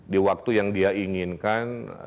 di waktu yang dia inginkan